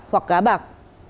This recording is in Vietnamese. hoặc gã bạc